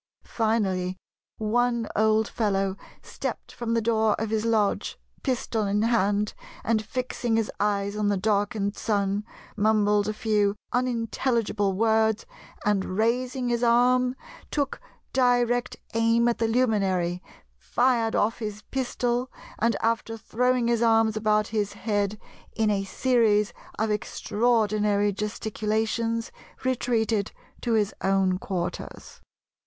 Finally one old fellow stepped from the door of his lodge, pistol in hand, and fixing his eyes on the darkened Sun, mumbled a few unintelligible words and raising his arm took direct aim at the luminary, fired off his pistol, and after throwing his arms about his head in a series of extraordinary gesticulations retreated to his own quarters.